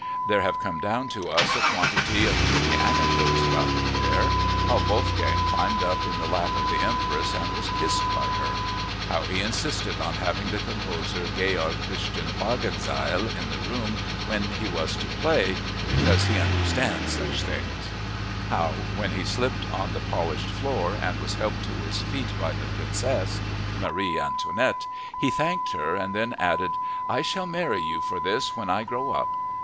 There have come down to us a quantity of pretty anecdotes about the pair—how Wolfgang climbed up in the lap of the Empress and was kissed by her; how he insisted on having the composer Georg Christian Wagenseil in the room when he was to play ("because he understands such things"); how, when he slipped on the polished floor and was helped to his feet by the princess, Marie Antoinette, he thanked her and then added "I shall marry you for this when I grow up!"